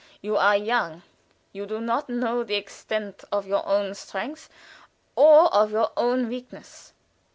You are young you do not know the extent of your own strength, or of your own weakness.